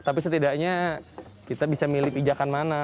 tapi setidaknya kita bisa milih pijakan mana